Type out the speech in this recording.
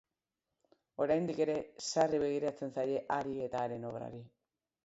Oraindik ere sarri begiratzen zaie hari eta haren obrari.